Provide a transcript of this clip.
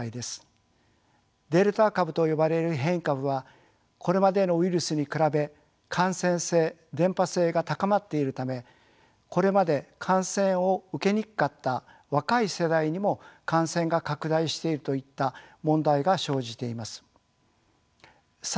デルタ株と呼ばれる変異株はこれまでのウイルスに比べ感染性伝播性が高まっているためこれまで感染を受けにくかった若い世代にも感染が拡大しているといった問題が生じています。